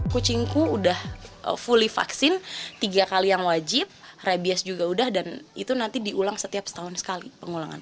kucingku sudah fully vaksin tiga kali yang wajib rabies juga sudah dan itu nanti diulang setiap setahun sekali pengulangan